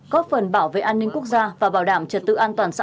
góp phần bảo vệ an ninh quốc gia và bảo đảm trật tự an toàn xã hội